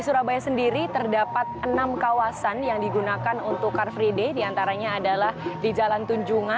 sedap malam juga